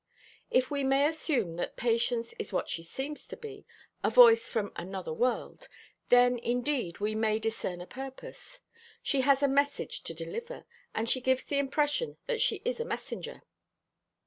If we may assume that Patience is what she seems to be—a voice from another world, then indeed we may discern a purpose. She has a message to deliver, and she gives the impression that she is a messenger.